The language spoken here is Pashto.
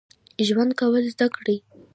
ژوند کول زده کړئ